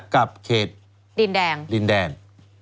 กับเขตดินแดง